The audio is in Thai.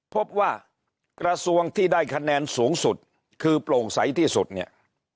พบว่ากระทรวงที่ได้คะแนนสูงสุดคือโปร่งใสที่สุดเนี่ย